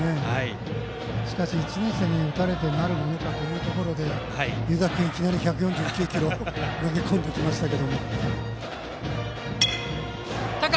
しかし１年生に打たれてなるものかというところで湯田君はいきなり１４９キロを投げ込んできましたね。